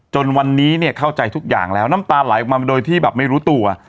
จนวันนี้เนี่ยเข้าใจทุกอย่างแล้วน้ำตาไหลออกมาโดยที่แบบไม่รู้ตัว